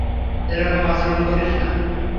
এরকম আচরণ করিস না।